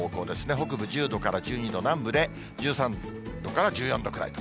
北部１０度から１２度、南部で１３度から１４度ぐらいと。